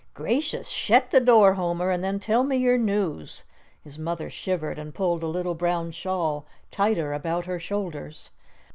"Gracious! shet the door, Homer, an' then tell me your news." His mother shivered and pulled a little brown shawl tighter about her shoulders.